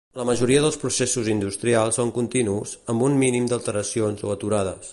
La majoria dels processos industrials són continus, amb un mínim d'alteracions o aturades.